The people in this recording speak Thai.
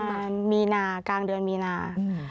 ประมาณมีนากลางเดือนมีนา